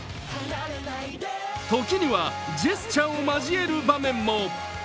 時にはジェスチャーを交える場面も。